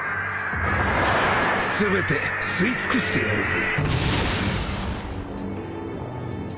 全て吸い尽くしてやるぜ。